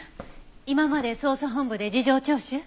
今まで捜査本部で事情聴取？